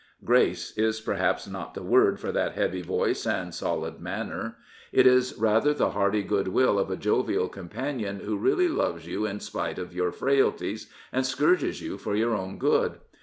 " Grace " is perhaps not the word for that heavy voice and solid manner. It is rather the hearty good will of a jovial companion who really loves you in spite of your frailties, and scourges you for your own good.